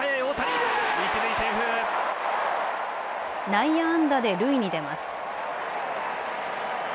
内野安打で塁に出ます。